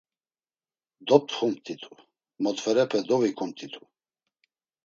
Doptxumt̆itu, motferepe dovikumt̆itu…